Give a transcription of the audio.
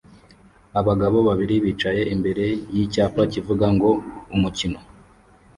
Abagabo babiri bicaye imbere yicyapa kivuga ngo umukino